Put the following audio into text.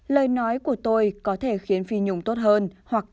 lời nói của tôi có thể khiến phi nhung tốt hơn hoặc tệ đi